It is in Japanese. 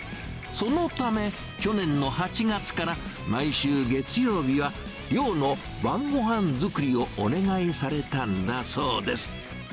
そのため、去年の８月から、毎週月曜日は寮の晩ごはん作りをお願いされたんだそうです。